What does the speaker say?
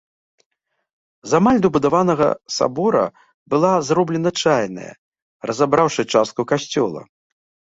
З амаль дабудаванага сабора была зроблена чайная, разабраўшы частку касцёла.